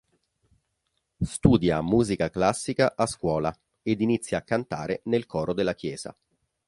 Studia musica classica a scuola, ed inizia a cantare nel coro della chiesa.